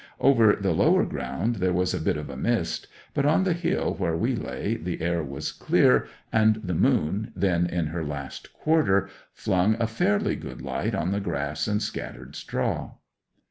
Over the lower ground there was a bit of a mist, but on the hill where we lay the air was clear, and the moon, then in her last quarter, flung a fairly good light on the grass and scattered straw.